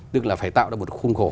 tức là phải tạo ra một khung khổ